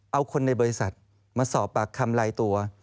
เอาคนในบริษัทมาสอบปากคำลายตัว